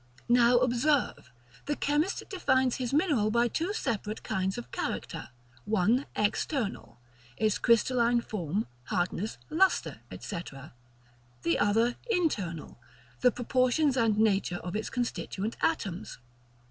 Now observe: the chemist defines his mineral by two separate kinds of character; one external, its crystalline form, hardness, lustre, &c. the other internal, the proportions and nature of its constituent atoms.